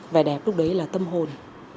vẻ đẹp lúc đấy là tâm hồn